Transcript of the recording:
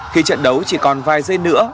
khi trận đấu chỉ còn vài giây nữa